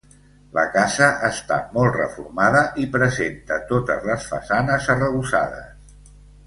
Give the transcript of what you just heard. La casa està molt reformada i presenta totes les façanes arrebossades.